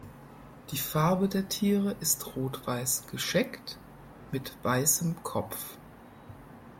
Die Farbe der Tiere ist rot-weiß gescheckt, mit weißem Kopf.